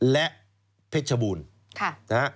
และเพชรบูรณ์